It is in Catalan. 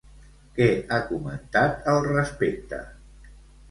Què ha comentat al respecte?